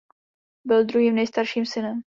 Byl druhým nejstarším synem.